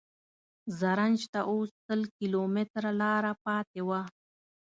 زرنج ته اوس سل کیلومتره لاره پاتې وه.